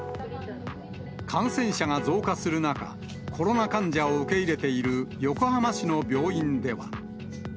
感染者が増加する中、コロナ患者を受け入れている横浜市の病院では。